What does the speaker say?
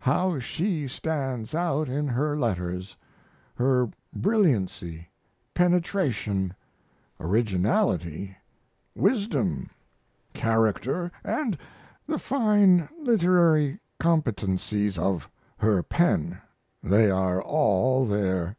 How she stands out in her letters! her brilliancy, penetration, originality, wisdom, character, & the fine literary competencies of her pen they are all there.